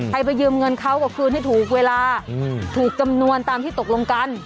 ไปยืมเงินเขาก็คืนให้ถูกเวลาถูกจำนวนตามที่ตกลงกัน